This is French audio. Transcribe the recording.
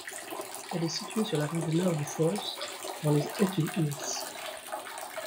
Elle est située sur la rive nord du Forth, dans les Ochil Hills.